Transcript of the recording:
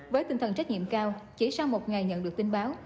với tinh thần trách nhiệm cao chỉ sau một ngày nhận được tin báo